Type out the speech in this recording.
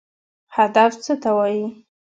هدف څه ته وایي؟